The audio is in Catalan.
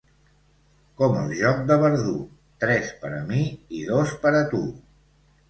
Com el joc de Verdú: tres per a mi i dos per a tu.